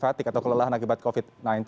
atau kelelahan akibat covid sembilan belas